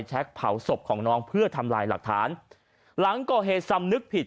เผาศพของน้องเพื่อทำลายหลักฐานหลังก่อเหตุสำนึกผิด